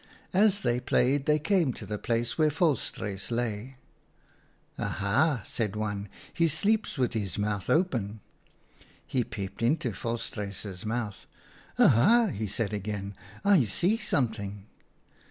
As they played they came to the place where Volstruis lay. 11 ' Aha !' said one, ' he sleeps with his mouth open.' "He peeped into Volstruis's mouth. 1 Aha !' he said again, ' I see something.'